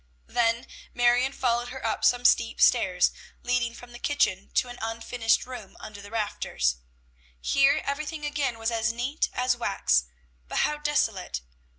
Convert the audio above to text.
Then Marion followed her up some steep stairs, leading from the kitchen to an unfinished room under the rafters. Here everything again was as neat as wax, but how desolate!